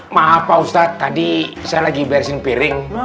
maaf pak ustadz tadi saya lagi beresin piring